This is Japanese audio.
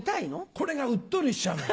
これがうっとりしちゃうの。